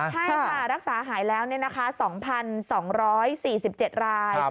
ใช่ค่ะรักษาหายแล้ว๒๒๔๗ราย